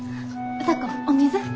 歌子お水。